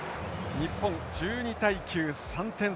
日本１２対９３点差。